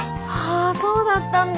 あそうだったんだ。